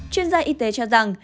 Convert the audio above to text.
chuyên gia y tế cho rằng